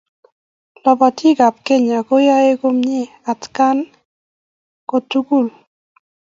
Lobotii ab Kenya koyoe komie atkai kotugul.